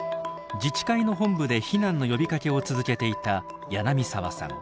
自治会の本部で避難の呼びかけを続けていた柳見澤さん。